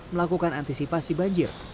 melakukan antisipasi banjir